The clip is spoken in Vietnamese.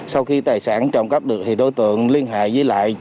sau khi tài sản trộm cắp được thì đối tượng liên hệ với lại